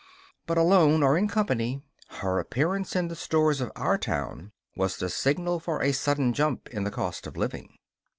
But, alone or in company, her appearance in the stores of our town was the signal for a sudden jump in the cost of living.